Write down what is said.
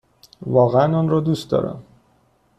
واقعا آن را دوست دارم!